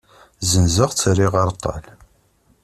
Zzenzeɣ-tt, rriɣ areṭṭal.